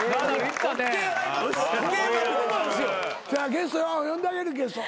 ゲスト呼んであげてゲスト。